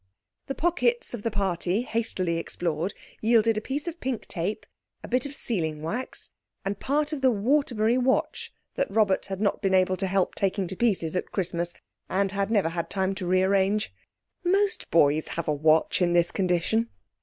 The pockets of the party, hastily explored, yielded a piece of pink tape, a bit of sealing wax, and part of the Waterbury watch that Robert had not been able to help taking to pieces at Christmas and had never had time to rearrange. Most boys have a watch in this condition.